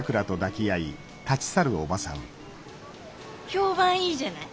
評判いいじゃない。